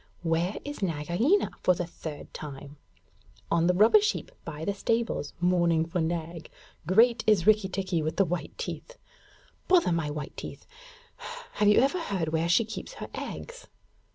'Where is Nagaina, for the third time?' 'On the rubbish heap by the stables, mourning for Nag. Great is Rikki tikki with the white teeth.' 'Bother my white teeth! Have you ever heard where she keeps her eggs?'